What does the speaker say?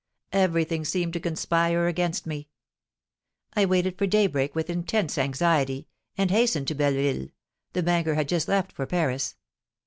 Everything seemed to conspire against me. I waited for daybreak with intense anxiety, and hastened to Belleville, the banker had just left for Paris.